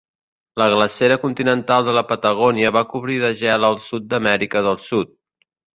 La glacera continental de la Patagònia va cobrir de gel el sud d'Amèrica del Sud.